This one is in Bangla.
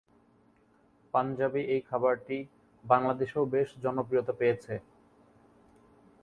পাঞ্জাবি এই খাবারটি বাংলাদেশেও বেশ জনপ্রিয়তা পেয়েছে।